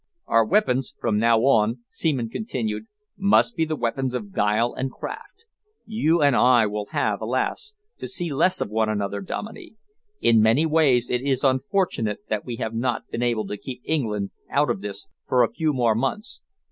"Our weapons, from now on," Seaman continued, "must be the weapons of guile and craft. You and I will have, alas! to see less of one another, Dominey. In many ways it is unfortunate that we have not been able to keep England out of this for a few more months.